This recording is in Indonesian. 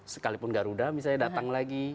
sekalipun garuda misalnya datang lagi